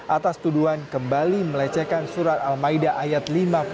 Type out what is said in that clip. atas tuduhan kembali melecehkan surat al maida ayat lima puluh satu